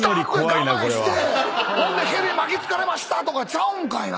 我慢してほんでヘビ巻きつかれましたとかちゃうんかいな？